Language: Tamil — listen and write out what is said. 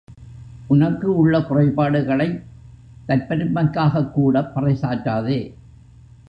உனக்கு உள்ள குறைபாடுகளைத் தற்பெருமைக்காகக் கூடப் பறைசாற்றாதே.